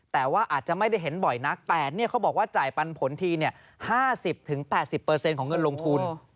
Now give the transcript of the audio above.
แต่ว่าอาจจะไม่ได้เห็นบ่อยนักแต่เขาบอกว่าจ่ายปันผลที๕๐๘๐ของเงินลงทุน